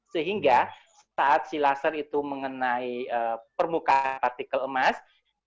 sehingga saat si laser itu mengenai permukaan partikel emas